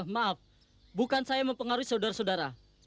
maaf bukan saya mempengaruhi saudara saudara